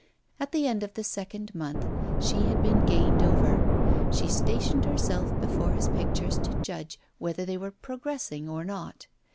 At the end of the second month she had been gained over; she stationed herself before his pictures to judge whether they were progressing or not.